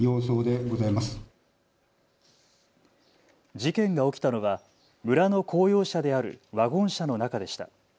事件が起きたのは村の公用車であるワゴン車の中でした。